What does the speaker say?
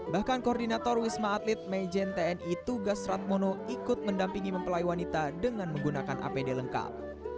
bahkan koordinator wisma atlet mejen tni tugas ratmono ikut mendampingi mempelai wanita dengan menggunakan apd lengkap